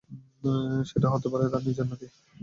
সেটা হতে পারে তার নিজের নাতি।